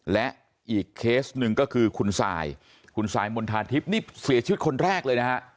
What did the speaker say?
และอีกเคสหนึ่งก็คือคุณซายคุณซายมณฑาทิพย์นี่เสียชีวิตคนแรกเลยนะฮะ